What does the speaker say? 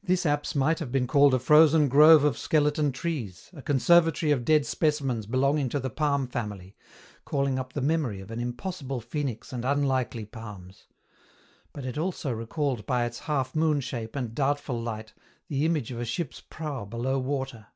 This apse might have been called a frozen grove of skeleton trees, a conservatory of dead specimens belonging to the palm family, calling up the memory of an impossible phoenix and unlikely palms ; but it also recalled by its half moon shape and doubtful light, the image of a ship's prow below water.